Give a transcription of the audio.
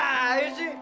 enggak kena aisyah